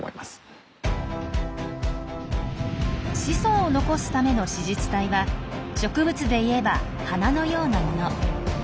子孫を残すための子実体は植物で言えば花のようなもの。